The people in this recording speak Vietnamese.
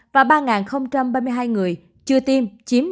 và ba ba mươi hai người chưa tiêm